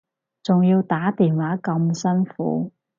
仲要打電話咁辛苦